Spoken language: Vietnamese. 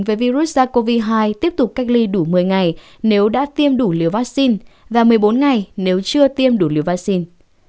ngoài ra bác sĩ tư vấn về virus sars cov hai tiếp tục cách ly đủ một mươi ngày nếu đã tiêm đủ liều vaccine và một mươi bốn ngày nếu chưa tiêm đủ liều vaccine